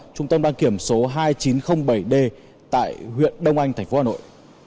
trung tâm đăng kiểm số hai nghìn chín trăm linh bảy d tại huyện đông anh tp hà nội